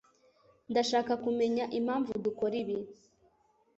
Ndashaka kumenya impamvu dukora ibi.